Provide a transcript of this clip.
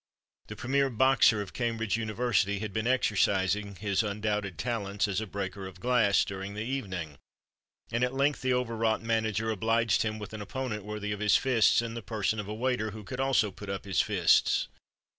The premier boxer of Cambridge University had been exercising his undoubted talents as a breaker of glass, during the evening, and at length the overwrought manager obliged him with an opponent worthy of his fists in the person of a waiter who could also put up his fists.